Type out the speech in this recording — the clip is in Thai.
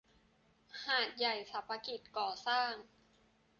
หาดใหญ่สรรพกิจก่อสร้าง